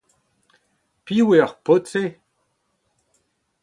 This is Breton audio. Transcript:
Piv eo ar paotr-se ?